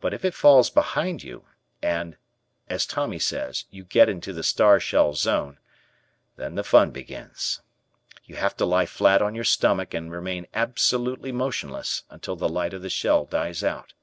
But if it falls behind you and, as Tommy says, "you get into the star shell zone," then the fun begins. You have to lie flat on your stomach and remain absolutely motionless until the light of the shell dies out.